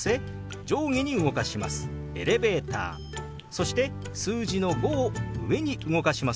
そして数字の「５」を上に動かしますよ。